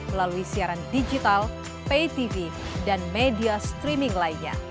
melalui siaran digital pay tv dan media streaming lainnya